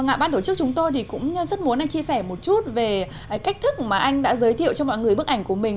ạ ban tổ chức chúng tôi thì cũng rất muốn anh chia sẻ một chút về cách thức mà anh đã giới thiệu cho mọi người bức ảnh của mình